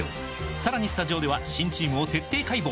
さらにスタジオでは新チームを徹底解剖！